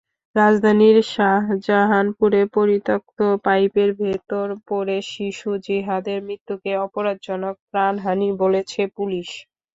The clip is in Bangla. রাজধানীর শাহজাহানপুরে পরিত্যক্ত পাইপের ভেতর পড়ে শিশু জিহাদের মৃত্যুকে অপরাধজনক প্রাণহানি বলেছে পুলিশ।